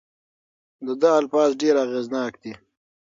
د ده الفاظ ډېر اغیزناک دي.